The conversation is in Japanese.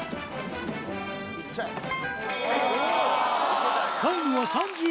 いっちゃえ！